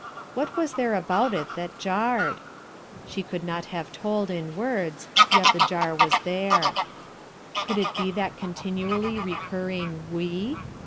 What was there about it that jarred? She could not have told, in words; yet the jar was there* Could it be that continually recurring "we"?